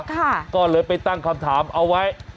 ก็เลยไปตั้งคำถามเอาไว้